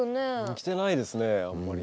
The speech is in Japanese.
来てないですねあんまり。